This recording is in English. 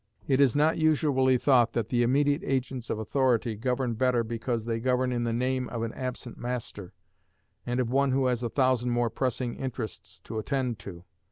It is not usually thought that the immediate agents of authority govern better because they govern in the name of an absent master, and of one who has a thousand more pressing interests to attend to.